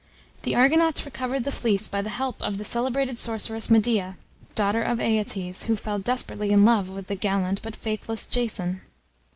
The Argonauts recovered the fleece by the help of the celebrated sorceress Medea, daughter of Aeetes, who fell desperately in love with the gallant but faithless Jason.